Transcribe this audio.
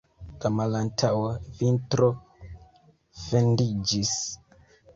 La malantaŭa vitro fendiĝis.